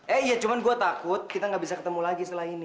eh iya cuma gue takut kita nggak bisa ketemu lagi setelah ini